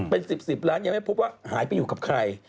เป็น๑๐๑๐ล้านยังไม่พบว่าหายไปอยู่กับใคร